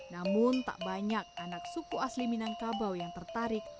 namun tak banyak anak suku asli minangkabau yang tertarik